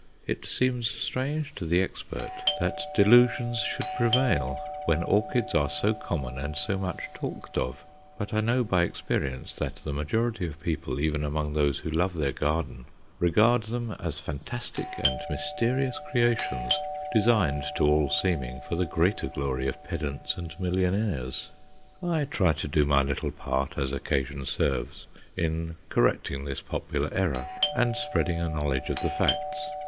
It seems strange to the expert that delusions should prevail when orchids are so common and so much talked of; but I know by experience that the majority of people, even among those who love their garden, regard them as fantastic and mysterious creations, designed, to all seeming, for the greater glory of pedants and millionaires. I try to do my little part, as occasion serves, in correcting this popular error, and spreading a knowledge of the facts.